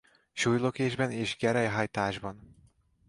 Súlylökésben és gerelyhajításban.